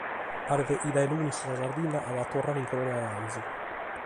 Paret chi dae lunis sa Sardigna at a torrare in colore aràngiu.